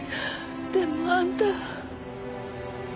でもあんた。